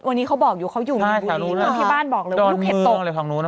วันนี้เขาบอกอยู่เขาอยู่ที่บ้านบอกเลยว่าลูกเห็บตกดอนเมืองอะไรข้างนู้น